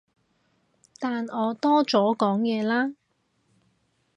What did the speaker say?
但我多咗講嘢啦